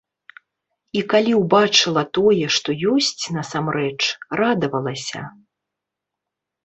І калі ўбачыла тое, што ёсць насамрэч, радавалася.